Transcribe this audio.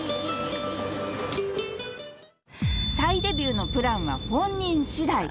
再デビューのプランは本人次第。